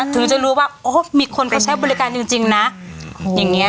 ถึงจะรู้ว่ามีคนเขาใช้บริการจริงนะ